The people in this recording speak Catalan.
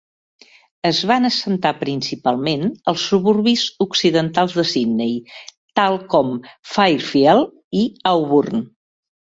Es van assentar principalment als suburbis occidentals de Sydney, tal com Fairfield i Auburn.